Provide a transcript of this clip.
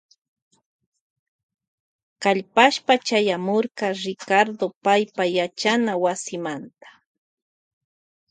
Kalpashpa chayamurka Ricardo paypa yachana wasimanta.